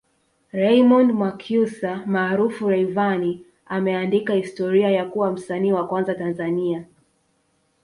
Raymond Mwakyusa maarufu Rayvanny ameandika historia ya kuwa msanii wa kwanza Tanzania